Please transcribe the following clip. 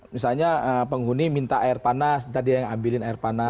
misalnya penghuni minta air panas tadi yang ambilin air panas